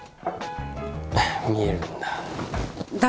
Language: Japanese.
見えるんだ。